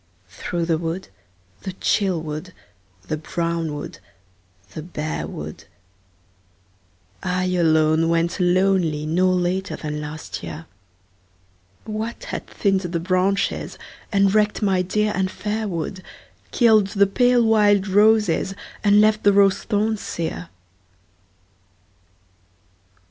Through the wood, the chill wood, the brown wood, the bare wood, I alone went lonely no later than last year, What had thinned the branches, and wrecked my dear and fair wood, Killed the pale wild roses and left the rose thorns sere